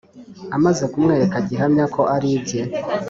Amaze kumwereka gihamya ko ari ibye